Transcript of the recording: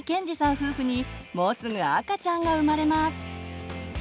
夫婦にもうすぐ赤ちゃんが生まれます。